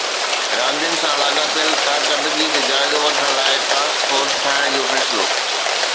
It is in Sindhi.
راندين سان لاڳاپيل ڪارڪردگي جو جائزو وٺڻ لاءِ ٽاسڪ فورس ٺاهڻ جو فيصلو